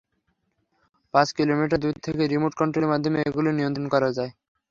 পাঁচ কিলোমিটার দূর থেকে রিমোট কন্ট্রোলের মাধ্যমে এগুলো নিয়ন্ত্রণ করা যায়।